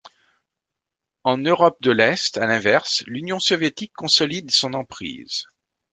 En Europe de l'est, à l'inverse, l'Union soviétique consolide son emprise.